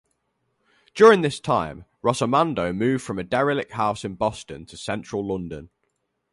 During this time, Rossomando moved from a derelict house in Boston to Central London.